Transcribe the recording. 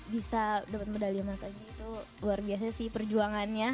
bisa dapat medali emas aja itu luar biasa sih perjuangannya